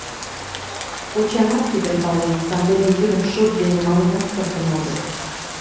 Кочамат тидым пален, сандене йӱдым шот дене маленат кертын огыл.